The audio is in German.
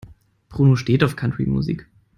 Bruno steht auf Country-Musik.